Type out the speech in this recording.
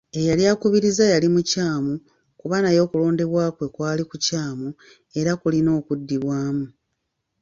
Eyali akukubiriza yali mukyamu kuba naye okulondebwa kwe kwali kukyamu era kulina okuddibwamu.